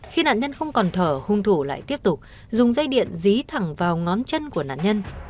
khi nạn nhân không còn thở hung thủ lại tiếp tục dùng dây điện dí thẳng vào ngón chân của nạn nhân